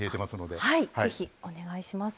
はいぜひお願いします。